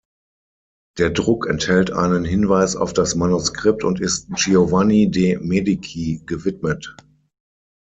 Der Druck enthält einen Hinweis auf das Manuskript und ist Giovanni de Medici gewidmet.